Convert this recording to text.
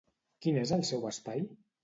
Quin és el seu espai?